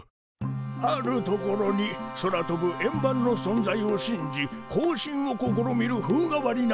「あるところに空飛ぶ円盤の存在を信じ交信を試みる風変わりな者たちがいた。